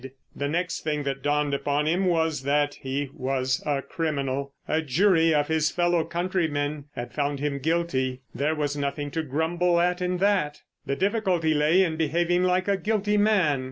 The next thing that dawned upon him was, that he was a criminal. A jury of his fellow countrymen had found him guilty. There was nothing to grumble at in that! The difficulty lay in behaving like a guilty man.